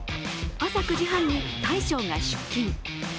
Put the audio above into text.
朝９時半に大将が出勤。